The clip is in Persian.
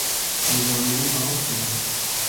نظامیان معاف بودند